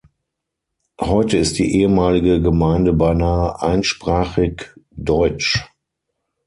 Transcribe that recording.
Heute ist die ehemalige Gemeinde beinahe einsprachig deutsch.